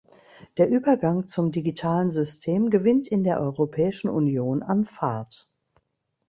Der Übergang zum digitalen System gewinnt in der Europäischen Union an Fahrt.